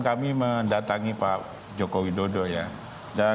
kami mendatangi pak jokowi dodo ya